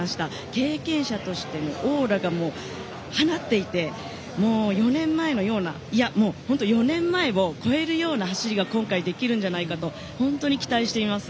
経験者としてのオーラを放っていて４年前のようないや、４年前を超えるような走りが今回できるんじゃないかと期待しています。